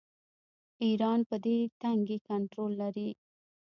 ایران پر دې تنګي کنټرول لري.